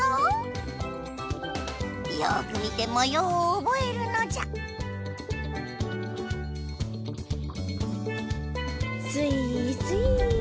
よく見てもようをおぼえるのじゃスイースイー。